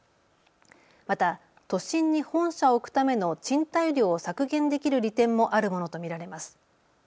また都心に本社を置くための賃貸料を削減できる利点もあるものと見られます。